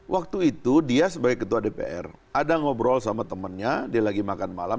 waktu itu dia sebagai ketua dpr ada ngobrol sama temennya dia lagi makan malam